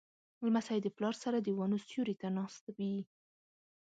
لمسی د پلار سره د ونو سیوري ته ناست وي.